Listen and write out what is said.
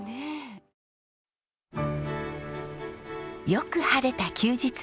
よく晴れた休日。